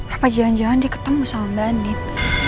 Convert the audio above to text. apa jangan jangan dia ketemu sama mbak nin